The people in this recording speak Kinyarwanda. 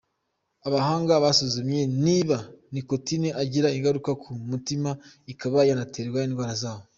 Abahanga basuzumye niba nicotine igira ingaruka ku mutima ikaba yanatera indwara zawo.